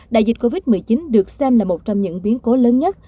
đại dịch covid một mươi chín được xem là một trong những biến cố lớn nhất